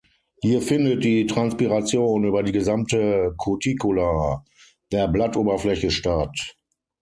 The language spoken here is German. Hier findet die Transpiration über die gesamte Cuticula der Blattoberfläche statt.